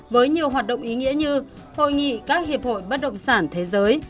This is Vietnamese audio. với nhiều hoạt động ý nghĩa như hội nghị các hiệp hội bất động sản thế giới